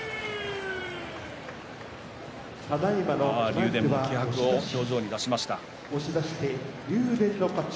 竜電も気迫を表情に出しました。